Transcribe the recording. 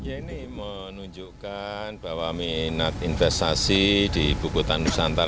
ini menunjukkan bahwa minat investasi di ibu kota nusantara